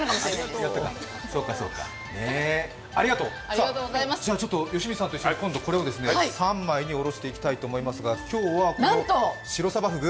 さあ、じゃあ、吉光さんと一緒に今度これを三枚におろしていきたいと思いますが今日はシロサバフグ。